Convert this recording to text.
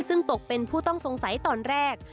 ซึ่งตกเป็นผู้ต้องสงสัยตอนแรก